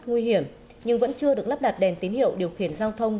nguy hiểm nhưng vẫn chưa được lắp đặt đèn tín hiệu điều khiển giao thông